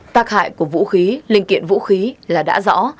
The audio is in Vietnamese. tạc hại của vũ khí linh kiện vũ khí là đã rõ